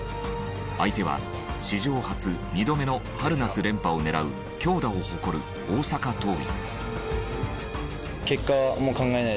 相手は史上初２度目の春夏連覇を狙う強打を誇る大阪桐蔭。